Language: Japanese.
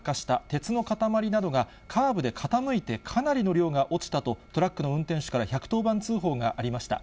鉄の塊などがカーブで傾いてかなりの量が落ちたと、トラックの運転手から１１０番通報がありました。